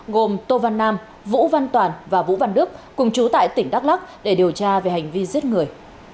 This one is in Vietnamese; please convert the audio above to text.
gồm tô văn nam vũ văn toàn và vũ văn đức cùng chú tại tỉnh đắk lắc để điều tra về hành vi giết người